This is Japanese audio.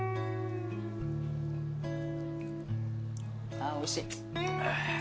ああおいしい。